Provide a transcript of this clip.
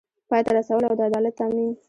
پای ته رسول او د عدالت تامین